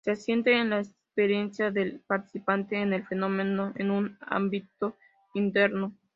Se asienta en la experiencia del participante en el fenómeno, en su ámbito interno.